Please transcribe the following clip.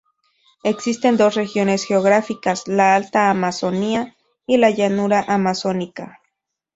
Existen dos regiones geográficas: la Alta Amazonía y la Llanura Amazónica.